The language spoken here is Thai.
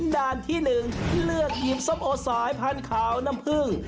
ด่านที่หนึ่งเลือกหยิมสนเหาะสายพันธุ์ขาวน้ำเพิ่ง